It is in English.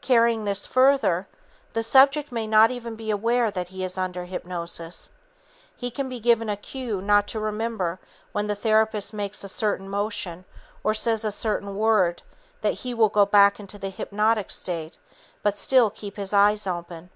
Carrying this further, the subject may not even be aware that he is under hypnosis. He can be given a cue not to remember when the therapist makes a certain motion or says a certain word that he will go back into the hypnotic state but still keep his eyes open.